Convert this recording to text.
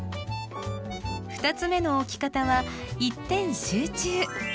２つ目の置き方は一点集中。